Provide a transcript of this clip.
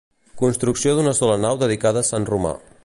Construcció d'una sola nau dedicada a Sant Romà.